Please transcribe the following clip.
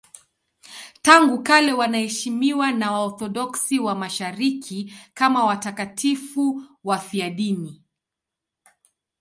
Tangu kale wanaheshimiwa na Waorthodoksi wa Mashariki kama watakatifu wafiadini.